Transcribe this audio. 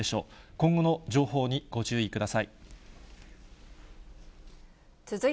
今後の情報にご注意ください。